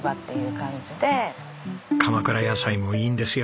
鎌倉野菜もいいんですよ